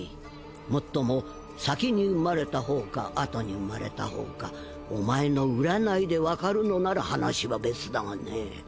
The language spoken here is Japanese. もっとも先に生まれたほうか後に生まれたほうかお前の占いでわかるのなら話は別だがね。